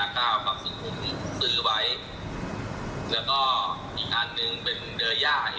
ส่วนของผมที่เจอที่ข่าวลงหลาย